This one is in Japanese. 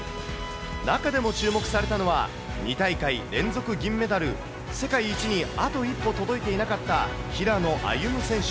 中でも注目されたのは、２大会連続銀メダル、世界一にあと一歩届いていなかった平野歩夢選手。